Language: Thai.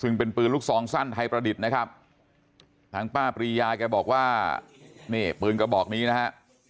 ซึ่งเป็นปืนลูกซองสั้นไทยประดิษฐ์นะครับทางป้าปรียาแกบอกว่านี่ปืนกระบอกนี้นะฮะ